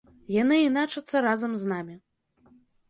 Яны іначацца разам з намі.